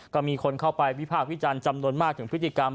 ก็มีคนเข้าไปวิพากษ์วิจารณ์จำนวนมากถึงพฤติกรรม